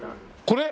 これ？